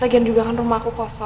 lagian juga kan rumah aku kosong